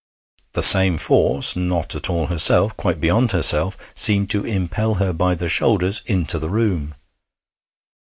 The same force, not at all herself, quite beyond herself, seemed to impel her by the shoulders into the room.